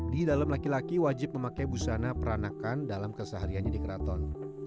di dalam laki laki wajib memakai busana peranakan dalam kesehariannya di keraton